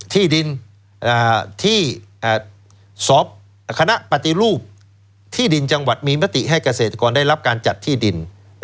ที่ดินที่สอบคณะปฏิรูปที่ดินจังหวัดมีมติให้เกษตรกรได้รับการจัดที่ดิน